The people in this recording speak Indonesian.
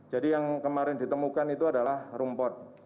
jadi yang kemarin ditemukan itu adalah rumput